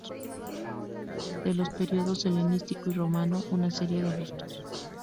De los periodos helenístico y romano, una serie de bustos.